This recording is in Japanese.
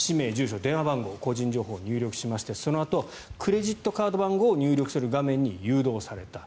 氏名、住所、電話番号個人情報を入力しましてそのあとクレジットカード番号を入力する画面に誘導された。